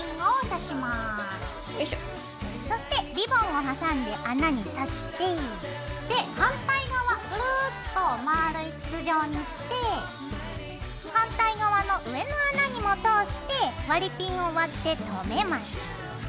そしてリボンを挟んで穴にさして反対側グルッとまぁるい筒状にして反対側の上の穴にも通して割りピンを割ってとめます。